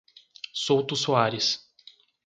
Souto Soares